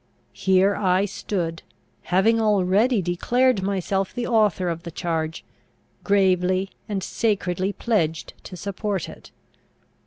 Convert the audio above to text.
Here I stood, having already declared myself the author of the charge, gravely and sacredly pledged to support it.